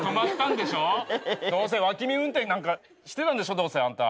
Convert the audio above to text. どうせ脇見運転なんかしてたんでしょあんた。